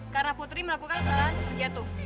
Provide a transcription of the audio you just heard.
karena putri melakukan kesalahan terjatuh